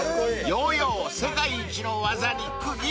［ヨーヨー世界一の技に釘付け］